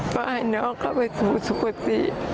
พ่อให้น้องเข้าไปสู่สุขศิษย์